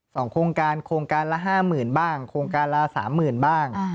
โครงการโครงการละห้าหมื่นบ้างโครงการละสามหมื่นบ้าง